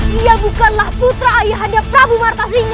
dia bukanlah putra ayah hadiah prabu martasinya